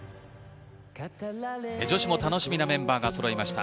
女子も楽しみなメンバーがそろいました。